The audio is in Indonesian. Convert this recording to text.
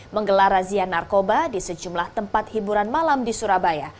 menggelar razia narkoba di sejumlah tempat hiburan malam di surabaya